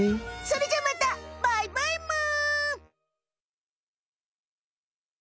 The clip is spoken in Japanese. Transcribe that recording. それじゃまたバイバイむ。